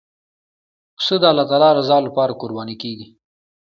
پسه د الله تعالی رضا لپاره قرباني کېږي.